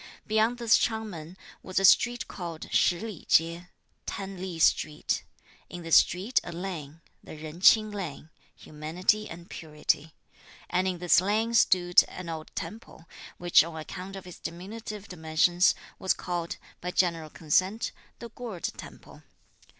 Beyond this Ch'ang Men was a street called Shih li chieh (Ten Li street); in this street a lane, the Jen Ch'ing lane (Humanity and Purity); and in this lane stood an old temple, which on account of its diminutive dimensions, was called, by general consent, the Gourd temple.